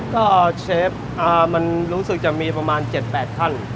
ก็เชฟมันรู้สึกจะมีประมาณ๗๘ขั้น